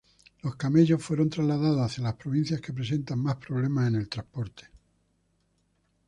Los camellos fueron trasladados hacia las provincias que presentan más problemas en el transporte.